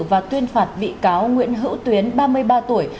và tuyên phạt bị cáo nguyễn hữu tuyến ba mươi ba tuổi